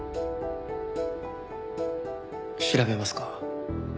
調べますか？